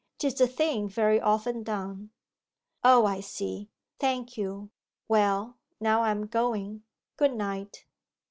'Tis a thing very often done.' 'O, I see. Thank you. Well, now I am going. Good night.